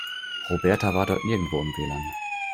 Roberta war dort nirgendwo im W-Lan.